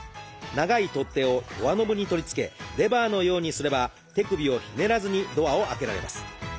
長い取っ手をドアノブに取り付けレバーのようにすれば手首をひねらずにドアを開けられます。